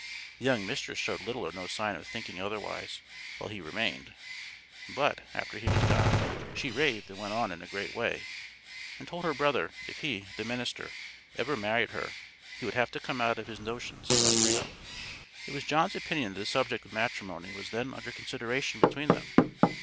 The young mistress showed little or no sign of thinking otherwise while he remained, "but, after he was gone, she raved and went on in a great way, and told her brother if he (the minister), ever married her, he would have to come out of his notions about freedom." It was John's opinion that the subject of matrimony was then under consideration between them.